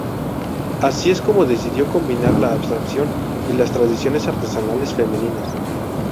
Así es como decidió combinar la abstracción y las tradiciones artesanales femeninas.